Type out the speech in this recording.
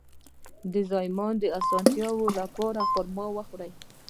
د زایمان د اسانتیا لپاره خرما وخورئ